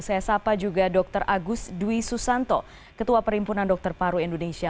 saya sapa juga dr agus dwi susanto ketua perimpunan dokter paru indonesia